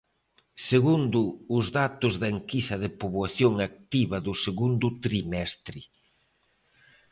Segundo os datos da Enquisa de Poboación Activa do segundo trimestre.